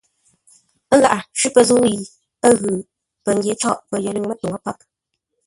Ə̂ gháʼá shwí pə̂ zə̂u yi ə́ ghʉ̌, pəngyě côghʼ pəyəlʉ̂ŋ mətuŋú páp.